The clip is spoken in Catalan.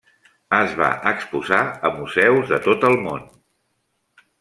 Es va exposar a museus de tot el món.